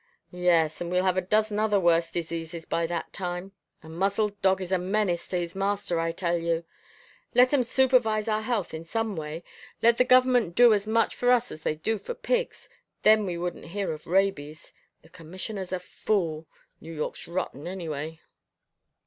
"Yes, and we'll have a dozen other worse diseases by that time. A muzzled dog is a menace to his master, I tell you. Let 'em supervise our health in some way. Let the government do as much for us as they do for pigs. Then we wouldn't hear of rabies. The commissioner's a fool New York's rotten anyway."